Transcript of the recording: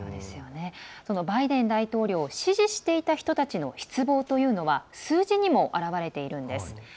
バイデン大統領を支持していた人たちの失望というのは数字にも表れているんです。